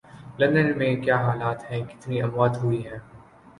London میں کیا حالات ہیں، کتنی اموات ہوئی ہیں